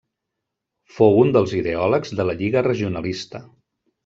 Fou un dels ideòlegs de la Lliga Regionalista.